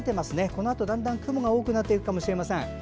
このあと、だんだん雲が多くなっていくかもしれません。